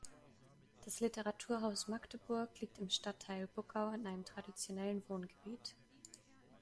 Das Literaturhaus Magdeburg liegt im Stadtteil Buckau, einem traditionellen Wohngebiet.